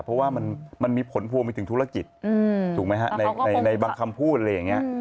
เพราะว่ามันมีผลพวงไปถึงธุรกิจถูกไหมฮะในบางคำพูดอะไรอย่างนี้